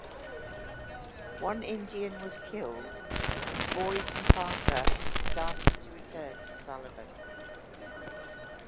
One Indian was killed, and Boyd and Parker started to return to Sullivan.